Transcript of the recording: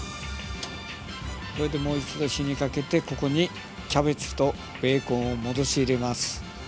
これでもう一度火にかけてここにキャベツとベーコンを戻し入れます。